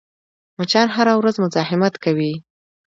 مچان هره ورځ مزاحمت کوي